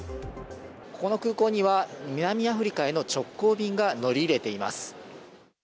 この空港には南アフリカへの直行便が乗り入れています。